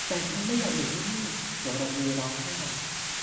แต่ฉันไม่อยากอยู่ที่นี่ โดโรธีร้องไห้